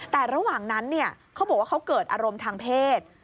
แต่ระหว่างนั้นเขาบอกว่าเขาเกิดอารมณ์ทางเพศ